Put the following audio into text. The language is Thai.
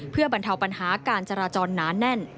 เพื่อบรรเทาปัญหาการจราจรหนาแน่น